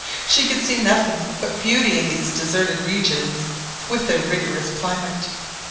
She could see nothing but beauty in these deserted regions, with their rigorous climate.